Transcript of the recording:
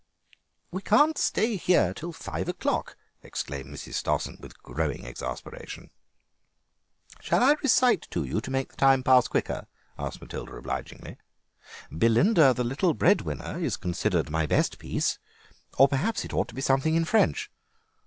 "We can't stay here till five o'clock," exclaimed Mrs. Stossen with growing exasperation. "Shall I recite to you to make the time pass quicker?" asked Matilda obligingly. "'Belinda, the little Breadwinner,' is considered my best piece, or, perhaps, it ought to be something in French.